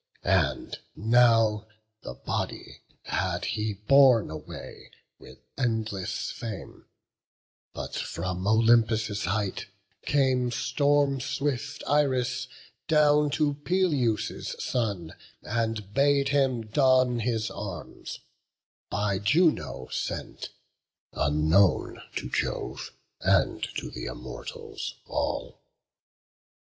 And now the body had he borne away, With endless fame; but from Olympus' height Came storm swift Iris down to Peleus' son, And bade him don his arms; by Juno sent, Unknown to Jove, and to th' Immortals all.